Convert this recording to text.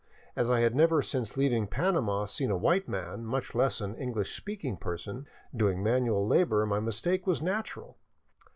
As I had never since leaving Panama seen a white man, much less an English speaking person, doin^ manual labor my mistake was natural.